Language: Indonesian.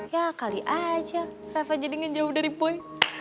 ya kali aja reva jadi ngejauh dari boy